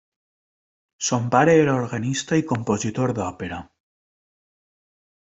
Son pare era organista i compositor d'òpera.